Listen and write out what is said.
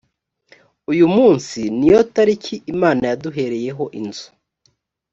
uyu munsi niyo tariki imana yaduhereyeho inzu